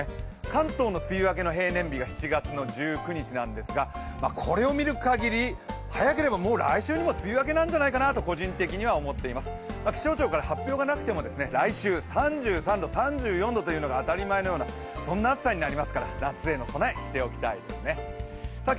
関東の梅雨明けの平年日が７月の１９日なんですがこれを見るかぎり、早ければもう来週にも梅雨明けなんじゃないかなと個人的には思っています、気象庁から発表がなくても来週、３３度、３４度というのが当たり前のようなそんな暑さになりますから夏への備え、しておきたいですね。